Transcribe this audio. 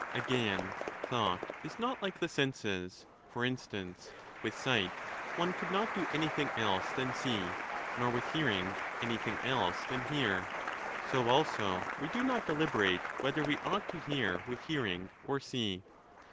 Again, thought is not like the senses ; for instance, with 18 sight one could not do anything else than see, nor with hearing anything else than hear. So also we do not 35 deliberate whether we ought to hear with hearing or see.